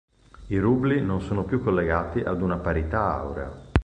I rubli non sono più collegati ad una parità aurea.